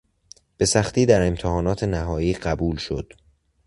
به سختی در امتحانات نهایی قبول شد.